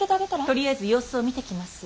とりあえず様子を見てきます。